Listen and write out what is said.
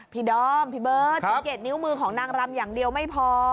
ดอมพี่เบิร์ตสังเกตนิ้วมือของนางรำอย่างเดียวไม่พอ